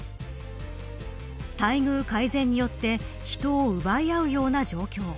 待遇改善によって人を奪い合うような状況。